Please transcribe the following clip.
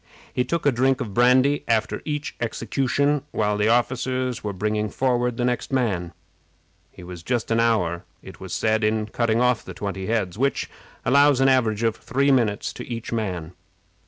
He took a drink of brandy after each execution while the officers were bringing forward the next man. He was just an hour, it was said, in cutting off the twenty heads, which allows of an average of three minutes to each man.